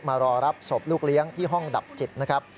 มารอรับศพลูกเลี้ยงที่ห้องดับจิตนะครับ